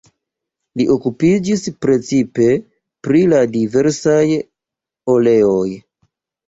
Li okupiĝis precipe pri la diversaj oleoj.